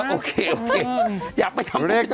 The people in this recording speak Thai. โอเคอยากไปทำอะไรก็ไม่ต้อง